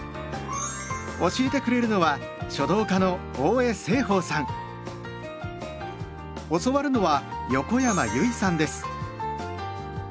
教えてくれるのは教わるのは横山由依さんです。